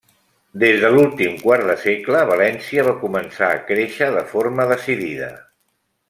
Des de l'últim quart de segle València va començar a créixer de forma decidida.